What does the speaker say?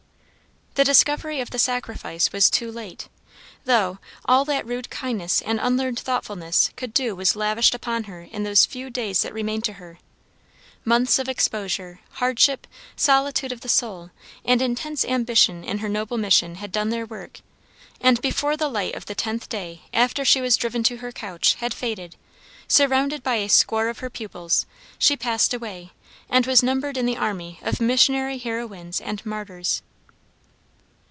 The discovery of the sacrifice was too late, though, all that rude kindness and unlearned thoughtfulness could do was lavished upon her in those few days that remained to her. Months of exposure, hardship, solitude of the soul, and intense ambition in her noble mission had done their work, and before the light of the tenth day after she was driven to her couch, had faded, surrounded by a score of her pupils, she passed away, and was numbered in the army of missionary heroines and martyrs.